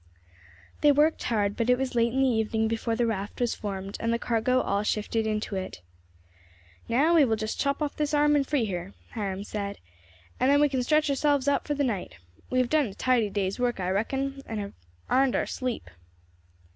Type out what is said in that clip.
They worked hard, but it was late in the evening before the raft was formed and the cargo all shifted into it. "Now, we will just chop off this arm and free her," Hiram said, "and then we can stretch ourselves out for the night. We have done a tidy day's work, I reckon, and have arned our sleep."